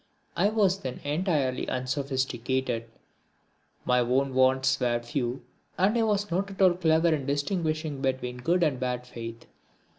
I was then entirely unsophisticated, my own wants were few, and I was not at all clever in distinguishing between good and bad faith.